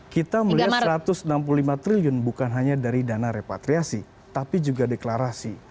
kita melihat rp satu ratus enam puluh lima triliun bukan hanya dari dana repatriasi tapi juga deklarasi